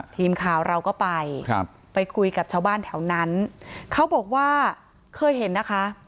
ทีมข่าวเราก็ไปครับไปคุยกับชาวบ้านแถวนั้นเขาบอกว่าเคยเห็นนะคะ